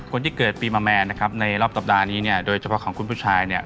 คนที่เกิดปีมาแมนนะครับในรอบสัปดาห์นี้เนี่ยโดยเฉพาะของคุณผู้ชายเนี่ย